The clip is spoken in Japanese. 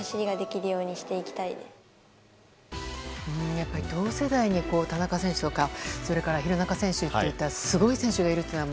やっぱり同世代に田中選手とか廣中選手といったすごい選手がいるというのは。